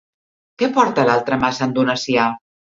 Què porta a l'altra mà Sant Donacià?